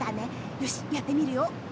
よしやってみるよ。